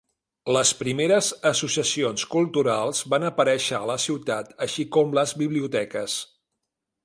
Les primeres associacions culturals van aparèixer a la ciutat, així com les biblioteques.